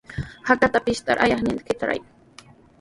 Hakata pishtarqa ayaqnintami hurqayan.